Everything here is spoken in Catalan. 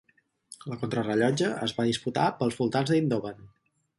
La contrarellotge es va disputar pels voltants d'Eindhoven.